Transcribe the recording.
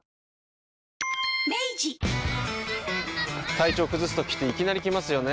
体調崩すときっていきなり来ますよね。